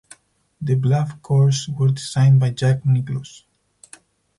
The Bluff course was designed by Jack Nicklaus.